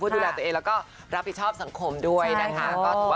เพื่อดูแลตัวเองและรับผิดชอบสังคมด้วยนะคะ